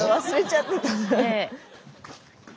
忘れちゃってた。